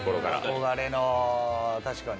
憧れの、確かに。